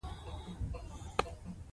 ننګرهار د افغان کلتور سره تړاو لري.